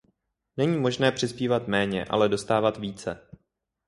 Není možné přispívat méně, ale dostávat více.